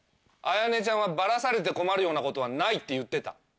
綾音ちゃんはバラされて困るようなことはないって言ってた。